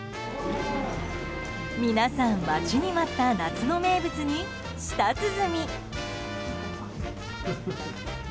皆さん、待ちに待った夏の名物に舌鼓。